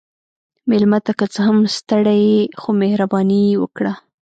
مېلمه ته که څه هم ستړی يې، خو مهرباني وکړه.